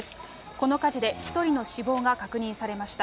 この火事で１人の死亡が確認されました。